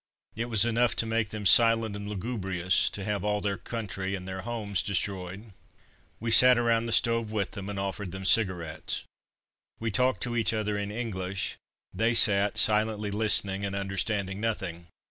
It was enough to make them silent and lugubrious, to have all their country and their homes destroyed. We sat around the stove with them, and offered them cigarettes. We talked to each other in English; they sat silently listening and understanding nothing.